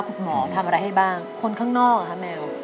คุณหมอทำอะไรให้บ้างคนข้างนอกแมว